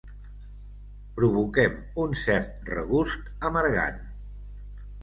Provoquem un cert regust amargant.